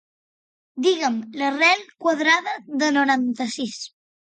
Digue'm l'arrel quadrada de noranta-sis.